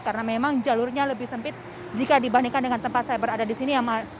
karena memang jalurnya lebih sempit jika dibandingkan dengan tempat saya berada di sini